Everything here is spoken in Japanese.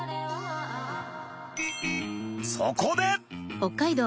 そこで！